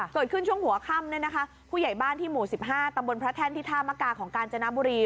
เกิดขึ้นช่วงหัวค่ำเนี่ยนะคะผู้ใหญ่บ้านที่หมู่๑๕ตำบลพระแท่นที่ท่ามกาของกาญจนบุรี